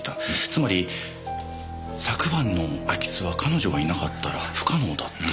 つまり昨晩の空き巣は彼女がいなかったら不可能だった。